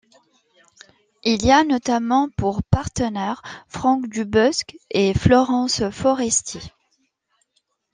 Il y a notamment pour partenaires Franck Dubosc et Florence Foresti.